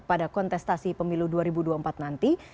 pada kontestasi pemilu dua ribu dua puluh empat nanti